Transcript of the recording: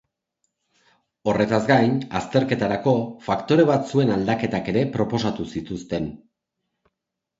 Horretaz gain, azterketarako faktore batzuen aldaketak ere proposatu zituzten.